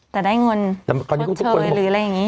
แต่ได้งนทดเชิยหรืออะไรอย่างนี้